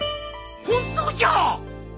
本当じゃ！